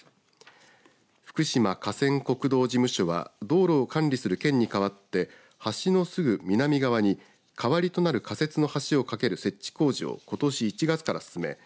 福島河川国道事務所は道路を管理する県にかわって橋のすぐ南側に代わりとなる仮設の橋を架ける設置工事をことし１月から進め